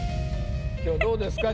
今日どうですか？